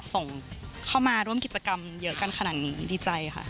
ส่งเข้ามาร่วมกิจกรรมเยอะกันขนาดนี้ดีใจค่ะ